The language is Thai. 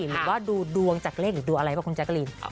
หรือว่าดูดวงจากเลขหรือดูอะไรป่ะคุณแจ๊กรีน